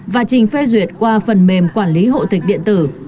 và trình phê duyệt qua phần mềm quản lý hộ tịch điện tử